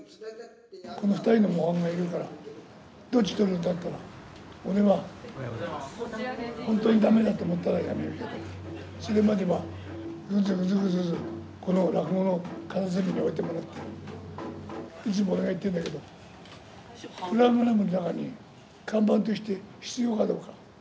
この２人の模範がいるから、どっち取るんだと言ったら、俺は、本当にだめだと思ったら辞めるけど、それまではぐずぐずぐずぐず、この落語の片隅に置いてもらって、いつも俺が言ってんだけど、プログラムの中に、看板として必要かどうか。